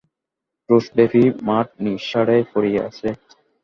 ক্রোশব্যাপী মাঠ নিঃসাড়ে পড়িয়া আছে!